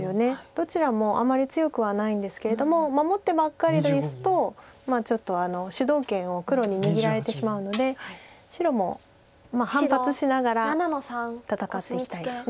どちらもあまり強くはないんですけれども守ってばっかりですとちょっと主導権を黒に握られてしまうので白も反発しながら戦っていきたいです。